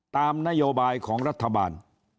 ตามนโยบายของรัฐบาล